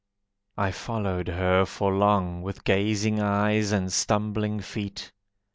I followed her for long, With gazing eyes and stumbling feet.